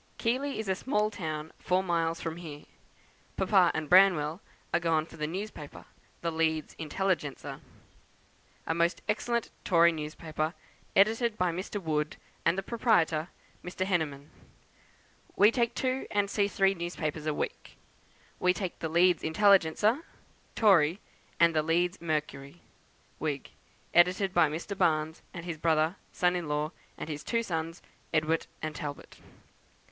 Keighley is a small town four miles from here. Papa and Branwell are gone for the newspaper, the 'Leeds Intelligencer,' a most excellent Tory newspaper, edited by Mr. Wood, and the proprietor, Mr. Henneman. We take two and see three newspapers a week. We take the 'Leeds Intelligencer,' Tory, and the 'Leeds Mercury,' Whig, edited by Mr. Baines, and his brother, son in law, and his two sons, Edward and Talbot.